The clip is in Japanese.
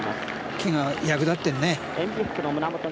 木が役立ってるね。